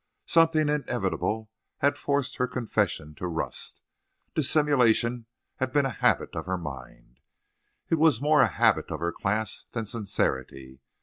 Something inevitable had forced her confession to Rust. Dissimulation had been a habit of her mind; it was more a habit of her class than sincerity.